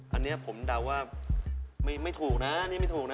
อันนี้ผมเดาว่าไม่ถูกนะนี่ไม่ถูกนะ